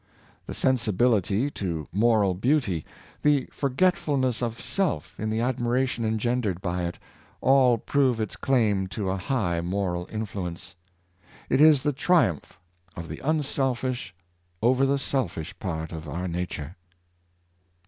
The sensibility to moral beauty, the forgetfulness of self in the admiration engendered by it, all prove its claim to a high moral influence. It is the triumph of ithe unselfish over the selfish part of our nature."